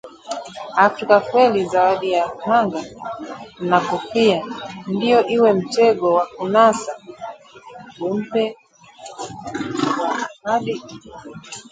Afrika! Kweli zawadi ya kanga? Na kofia ndio iwe mtego wa kunasa? Umpe wa ahadi